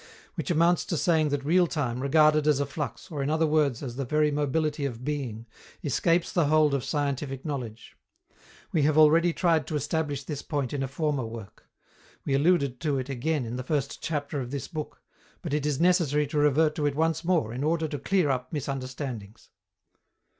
Which amounts to saying that real time, regarded as a flux, or, in other words, as the very mobility of being, escapes the hold of scientific knowledge. We have already tried to establish this point in a former work. We alluded to it again in the first chapter of this book. But it is necessary to revert to it once more, in order to clear up misunderstandings.